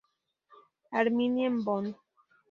Arminia en Bonn.